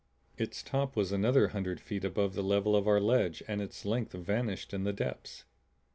Its top was another hundred feet above the level of our ledge and its length vanished in the depths.